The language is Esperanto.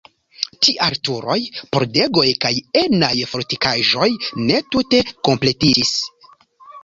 Tial turoj, pordegoj kaj enaj fortikaĵoj ne tute kompletiĝis.